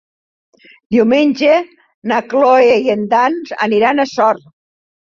Diumenge na Cloè i en Dan aniran a Sort.